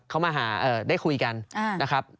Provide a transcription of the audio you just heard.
เขามาหาได้คุยกันนะครับ